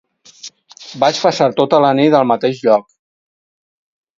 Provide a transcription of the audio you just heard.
Vaig passar tota la nit al mateix lloc.